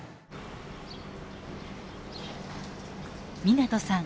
湊さん